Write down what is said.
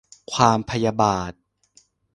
ความพยาบาท